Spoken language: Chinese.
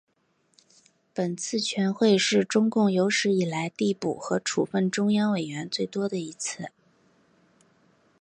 本次全会是中共有史以来递补和处分中央委员最多的一次。